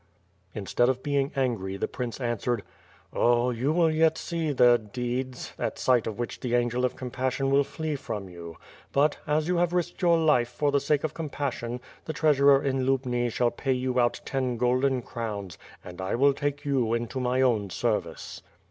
Instead of being angry, the prince answered: "Oh! you will yet see their deeds, at sight of which the angel of compassion will flee from you; but, as you have risked your life for the sake of compassion, the treasurer in Lubni shall pay you out ten golden crowns and I will take you into my own service."